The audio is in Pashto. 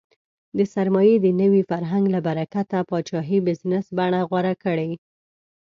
د سرمایې د نوي فرهنګ له برکته پاچاهۍ بزنس بڼه غوره کړې.